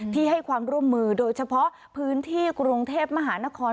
ให้ความร่วมมือโดยเฉพาะพื้นที่กรุงเทพมหานคร